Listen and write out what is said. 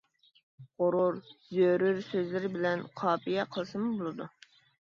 «غۇرۇر» ، «زۆرۈر» سۆزلىرى بىلەن قاپىيە قىلسىمۇ بولىدۇ.